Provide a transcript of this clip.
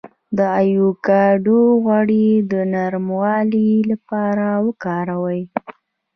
د ایوکاډو غوړي د نرموالي لپاره وکاروئ